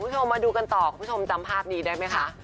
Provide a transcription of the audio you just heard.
ลองมาดูกันต่อคุณผู้ชมจำภาพนี้ได้ไหมครับ